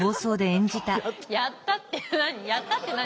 やったって何？